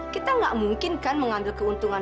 kita nggak mungkin kan mengambil keuntungan